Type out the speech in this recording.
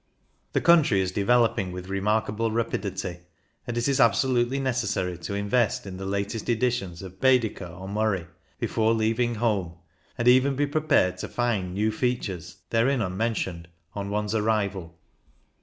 The country is developing with remarkable rapidity, and it is absolutely necessary to invest in the latest editions of Baedeker or Murray before leaving home and even be prepared to find new features, therein unmentioned, on one's arrival.